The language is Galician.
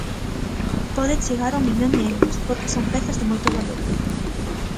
Pode chegar ao millón de euros, porque son pezas de moito valor.